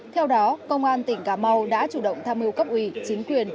theo đó công an tỉnh cà mau đã chủ động tham mưu cấp ủy chính quyền